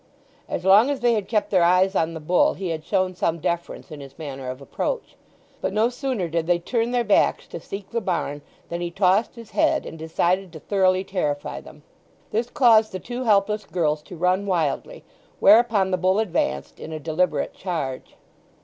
As long as they had kept their eyes on the bull he had shown some deference in his manner of approach; but no sooner did they turn their backs to seek the barn than he tossed his head and decided to thoroughly terrify them. This caused the two helpless girls to run wildly, whereupon the bull advanced in a deliberate charge.